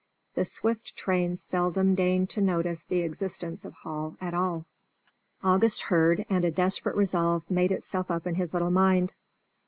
The swift trains seldom deign to notice the existence of Hall at all. August heard, and a desperate resolve made itself up in his little mind.